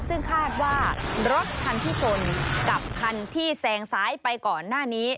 ซึ่งคาดว่ารถคันที่ชนกับคันที่แซงซ้ายไปก่อนหน้านี้